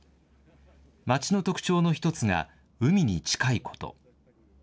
町の特徴の１つが、海に近いこと。